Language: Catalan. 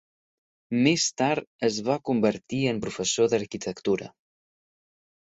Més tard es va convertir en professor d'arquitectura.